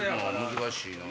難しいよ。